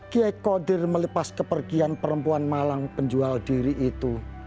kiai kodir melepas kepergian perempuan malang penjual diri itu